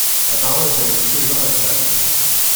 La parole est à Monsieur Jean Lassalle.